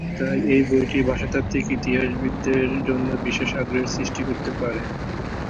তার এই বইটি ভাষাতাত্ত্বিক ইতিহাসবিদদের জন্য বিশেষ আগ্রহের সৃষ্টি করতে পারে।